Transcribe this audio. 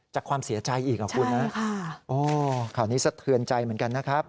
ความเสียใจอีกอ่ะคุณนะโอ้ข่าวนี้สะเทือนใจเหมือนกันนะครับ